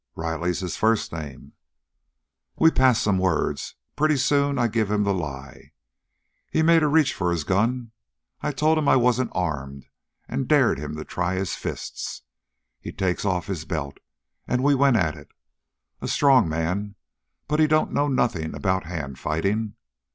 "Riley's his first name." "We passed some words. Pretty soon I give him the lie! He made a reach for his gun. I told him I wasn't armed and dared him to try his fists. He takes off his belt, and we went at it. A strong man, but he don't know nothing about hand fighting.